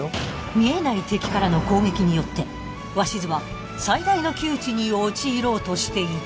見えない敵からの攻撃によって鷲津は最大の窮地に陥ろうとしていた。